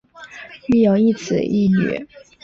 育有一子一女。